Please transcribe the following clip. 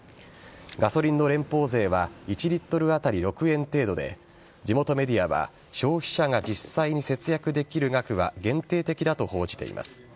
ガソリンの連邦税は１リットル当たり６円程度で地元メディアは消費者が実際に節約できる額は限定的だと報じています。